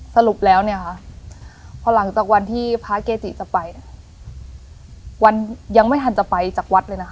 สรุปแล้วเนี่ยค่ะพอหลังจากวันที่พระเกจิจะไปเนี่ยวันยังไม่ทันจะไปจากวัดเลยนะคะ